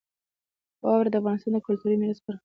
واوره د افغانستان د کلتوري میراث برخه ده.